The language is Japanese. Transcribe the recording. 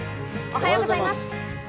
おはようございます。